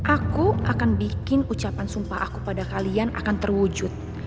aku akan bikin ucapan sumpah aku pada kalian akan terwujud